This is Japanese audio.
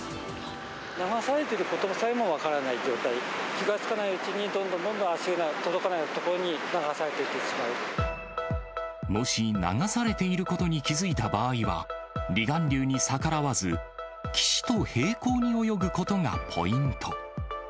流されていることさえも分からない状態、気がつかないうちに、どんどんどんどん、足が届かないもし、流されていることに気付いた場合は、離岸流に逆らわず、岸と平行に泳ぐことがポイント。